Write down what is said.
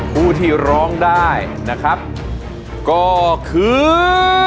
ผู้ที่ร้องได้นะครับก็คือ